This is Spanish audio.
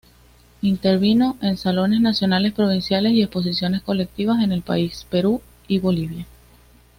Intervino en salones Nacionales, Provinciales y exposiciones colectivas en el país, Perú y Bolivia.